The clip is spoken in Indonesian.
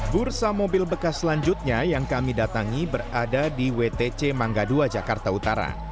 bursa mobil bekas selanjutnya yang kami datangi berada di wtc mangga dua jakarta utara